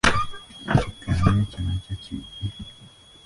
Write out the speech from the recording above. Tukkaanye ekyo nakyo kiggwe.